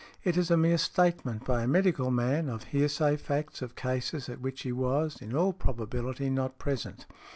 It is a mere statement by a medical man of hearsay facts of cases at which he was, in all probability, not present.